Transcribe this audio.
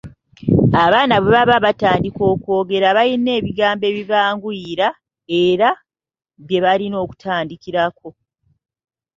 Abaana bwe baba nga batandika okwogera balina ebigambo ebibanguyira era bye balina okutandikirako.